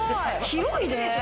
広いね。